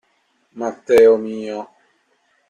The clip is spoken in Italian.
Matteo mio.